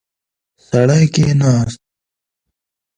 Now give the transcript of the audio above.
سړی کښیناست.